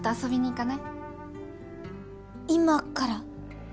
今から？